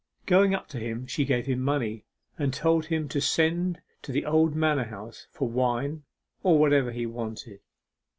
Going up to him she gave him money, and told him to send to the old manor house for wine or whatever he wanted.